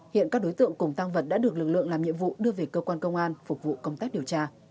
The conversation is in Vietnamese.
hiện các đối tượng cùng tăng vật đã được lực lượng làm nhiệm vụ đưa về cơ quan công an phục vụ công tác điều tra